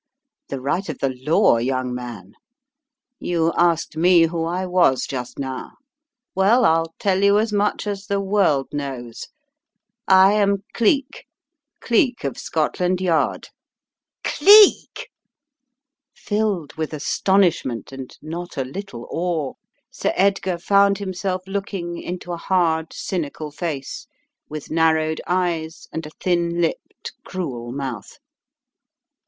"The right of the law, young man. You asked me wko I was just now. Well, I'll tell you as much as the world knows — I am Cleek, Cleek of Scotland Yard." CO < Tis a Mad World, My Masters" 243 "Cleek!" Filled with astonishment and not a little awe, Sir Edgar found himself looking into a hard, cynical face with narrowed eyes and a thin lipped, cruel mouth.